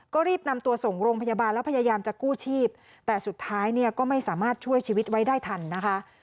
ก็รีบนำตัวส่งโรงพยาบาลแล้วพยายามจะกู้ชีพแต่สุดท้ายเนี่ยก็ไม่สามารถช่วยชีวิตไว้ได้ทันนะคะ